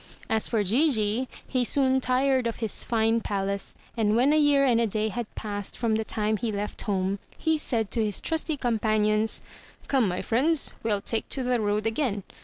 As for Gigi, he soon tired of his fine palace; and when a year and a day had passed from the time he left home, he said to his trusty companions, "Come, my friends, we'll take to the road again.